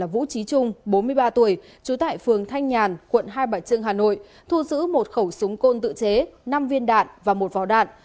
vũ trí trung bốn mươi ba tuổi trú tại phường thanh nhàn quận hai bà trưng hà nội thu giữ một khẩu súng côn tự chế năm viên đạn và một vỏ đạn